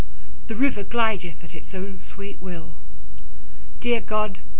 The river glideth at his own sweet will: Dear God!